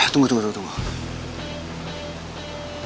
tunggu tunggu tunggu